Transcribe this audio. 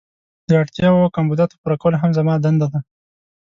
د اړتیاوو او کمبوداتو پوره کول هم زما دنده ده.